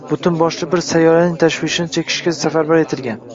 butun boshli bir sayyoraning tashvishini chekishga safarbar etilgan